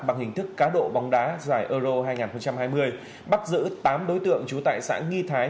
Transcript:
bằng hình thức cá độ bóng đá giải euro hai nghìn hai mươi bắt giữ tám đối tượng trú tại xã nghi thái